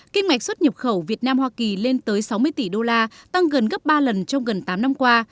kim ngạch xuất nhập khẩu việt nam hoa kỳ lên tới sáu mươi tỷ đô la tăng gần gấp ba lần trong gần tám năm qua